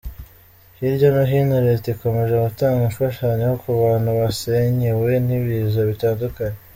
Hirya no hino Leta ikomeje gutanga imfashanyo ku bantu basenyewe n’ibiza bitandukanye.